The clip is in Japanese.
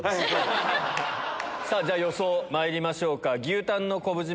予想まいりましょうか。